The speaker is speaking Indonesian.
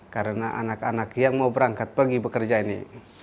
karena anak anak yang mau berangkat pergi bekerja ini